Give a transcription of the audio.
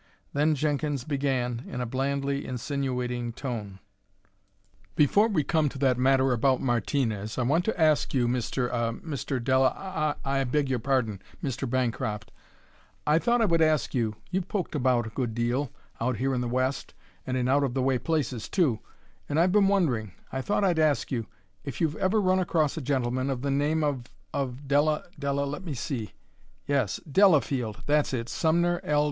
Then Jenkins began, in a blandly insinuating tone: "Before we come to that matter about Martinez, I want to ask you, Mr. ah Mr. Dela ah, I beg your pardon, Mr. Bancroft I thought I would ask you you've poked about a good deal, out here in the West and in out of the way places, too and I've been wondering I thought I'd ask you if you've ever run across a gentleman of the name of of Dela Dela let me see yes, Delafield that's it Sumner L.